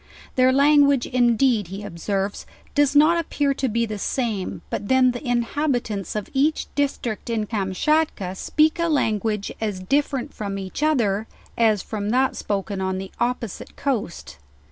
Their language indeed he observes, does not appear to be the same, but then the inhabitants of each district, in Kamschatka speak a language as different from each other, as from that spoken on the opposite coast.